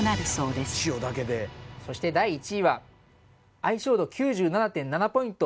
そして第１位は相性度９７．７ポイント！